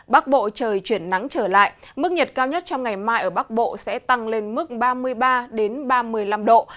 bắc bộ trời chuyển nắng trở lại mức nhiệt cao nhất trong ngày mai ở bắc bộ sẽ tăng lên mức ba mươi ba ba mươi năm độ